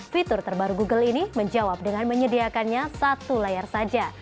fitur terbaru google ini menjawab dengan menyediakannya satu layar saja